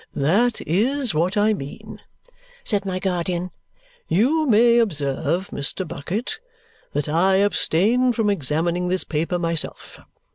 "That is what I mean," said my guardian. "You may observe, Mr. Bucket, that I abstain from examining this paper myself.